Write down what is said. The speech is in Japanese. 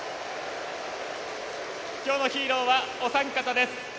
今日のヒーローは、お三方です。